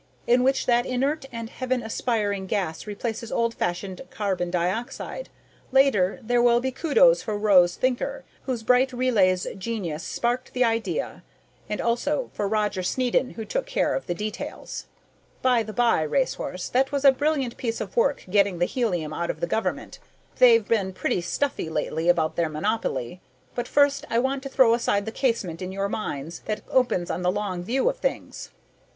in which that inert and heaven aspiring gas replaces old fashioned carbon dioxide. Later, there will be kudos for Rose Thinker, whose bright relays genius sparked the idea, and also for Roger Snedden, who took care of the details. "By the by, Racehorse, that was a brilliant piece of work getting the helium out of the government they've been pretty stuffy lately about their monopoly. But first I want to throw wide the casement in your minds that opens on the Long View of Things."